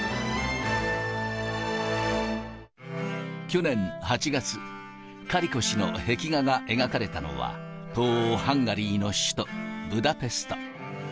去年８月、カリコ氏の壁画が描かれたのは、東欧ハンガリーの首都ブダペスト。